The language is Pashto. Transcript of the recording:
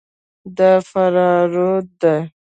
دا فراروی ده.